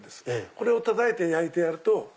これをたたいて焼いてやると。